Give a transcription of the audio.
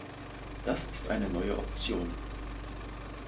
Das ist eine neue Option.